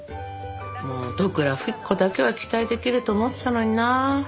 もう利倉富貴子だけは期待できると思ってたのになあ。